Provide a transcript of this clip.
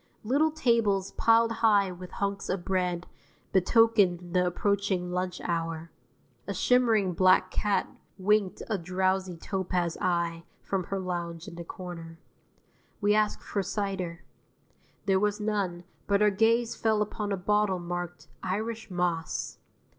Little tables piled high with hunks of bread betokened the approaching lunch hour. A shimmering black cat winked a drowsy topaz eye from her lounge in the corner. We asked for cider. There was none, but our gaze fell upon a bottle marked "Irish Moss."